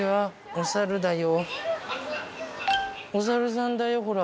おサルさんだよほら。